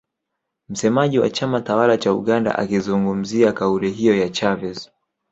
Msemaji wa chama tawala cha Uganda akizungumzia kauli hiyo ya Chavez